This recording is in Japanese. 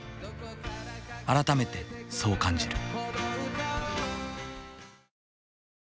改めてそう感じる。